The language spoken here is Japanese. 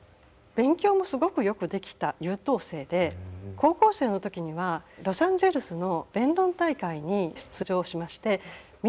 勉強もすごくよくできた優等生で高校生の時にはロサンゼルスの弁論大会に出場しまして見事優勝しています。